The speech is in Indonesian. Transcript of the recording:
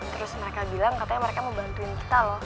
terus mereka bilang katanya mereka mau bantuin kita loh